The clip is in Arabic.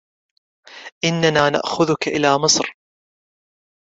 إننا نأخذك إلى مصر.